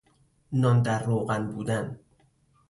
نان در روغن بودن